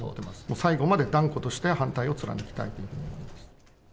最後まで断固として反対を貫きたいと思います。